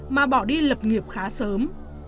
mà bỏ đi lập nghiệp khá sớm